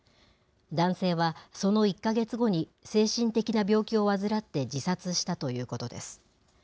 男性はその１か月後に、精神的な病気を患って自殺したということです。